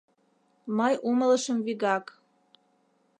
Мый умылышым вигак.